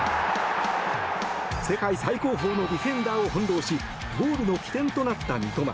世界最高峰のディフェンダーを翻弄しゴールの起点となった三笘。